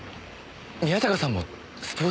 宮坂さんもスポーツ賭博を？